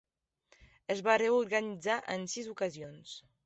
Es va reorganitzar en sis ocasions.